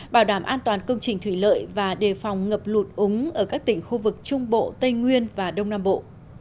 bảo đảm an toàn công trình thủy lợi và đề phòng ngập lụt úng ở các tỉnh khu vực trung bộ tây nguyên và đông nam bộ